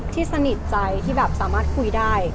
ที่สนิทใจที่แบบสามารถคุยได้